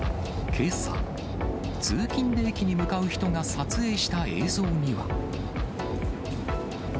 けさ、通勤で駅に向かう人が撮影した映像には。